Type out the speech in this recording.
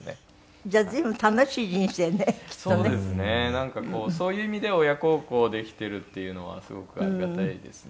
なんかそういう意味では親孝行できているっていうのはすごくありがたいですね。